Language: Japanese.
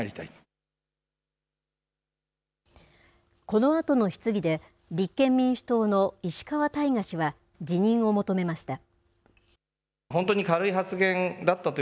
このあとの質疑で、立憲民主党の石川大我氏は、辞任を求めました。